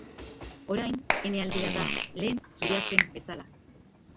Orain ene aldia da, lehen zurea zen bezala.